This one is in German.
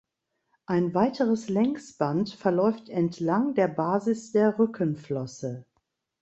Ein weiteres Längsband verläuft entlang der Basis der Rückenflosse.